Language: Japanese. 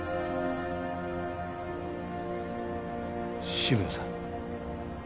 渋谷さん